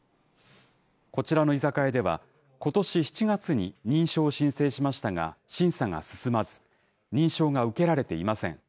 こちらの居酒屋では、ことし７月に認証を申請しましたが審査が進まず、認証が受けられていません。